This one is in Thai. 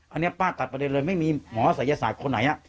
อันนี้ป้าตัดประเด็นเลยไม่มีหมอศัยศาสตร์คนไหน